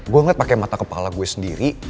gue ngeliat pakai mata kepala gue sendiri